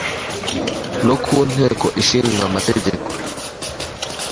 no ku nteko ishinga amategeko